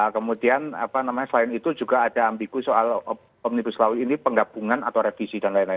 kemudian selain itu juga ada ambigu soal omnibus law ini penggabungan atau revisi dan lain lain